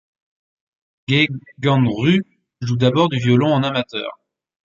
Ge Gan-Ru joue d’abord du violon en amateur.